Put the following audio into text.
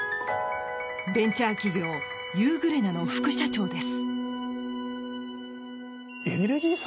ベンチャー企業ユーグレナの副社長です。